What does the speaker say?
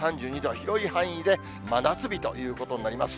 広い範囲で真夏日ということになります。